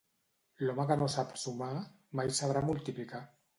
L'home que no sap sumar, mai sabrà multiplicar.